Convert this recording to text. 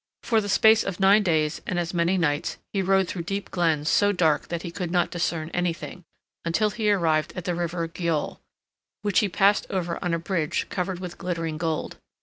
For the space of nine days and as many nights he rode through deep glens so dark that he could not discern anything, until he arrived at the river Gyoll, which he passed over on a bridge covered with glittering gold.